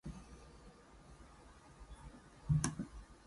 Since then Irkutsk Oblast has been an independent federal subject of Russia.